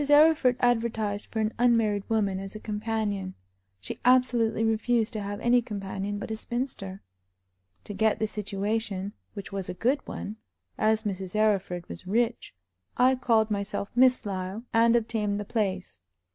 Arryford advertised for an unmarried woman as a companion; she absolutely refused to have any companion but a spinster. To get the situation, which was a good one, as Mrs. Arryford was rich, I called myself Miss Lyle, and obtained the place.